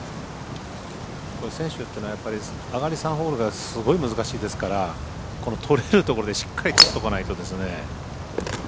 選手ってのはやっぱり上がり３ホールがすごい難しいですからこの取れるところでしっかり取っとかないとですね。